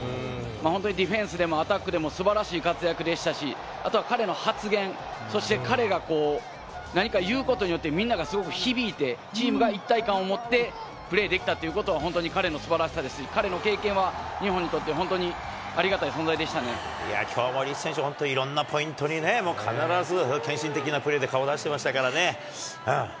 本当にディフェンスでもアタックでもすばらしい活躍でしたし、あとは彼の発言、そして彼が何か言うことによって、みんながすごく響いて、チームが一体感を持ってプレーできたっていうことは、本当に彼のすばらしさですし、彼の経験は、日本にとって、きょうもリーチ選手、本当、いろんなポイントにね、必ず献身的なプレーで顔出してましたからね。